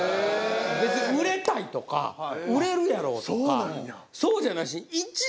別に売れたいとか売れるやろうとかそうじゃなしに。